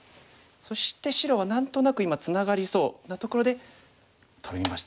そして白は何となく今ツナがりそうなところでトビました。